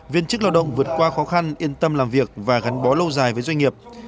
viên chức lao động vượt qua khó khăn yên tâm làm việc và gắn bó lâu dài với doanh nghiệp